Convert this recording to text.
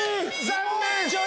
残念！